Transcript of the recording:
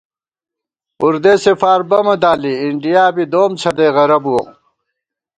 پُردېسےفار بَمہ دالی اِنڈِیا بی دوم څھدَئی غرہ بُوَہ